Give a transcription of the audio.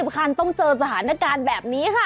คันต้องเจอสถานการณ์แบบนี้ค่ะ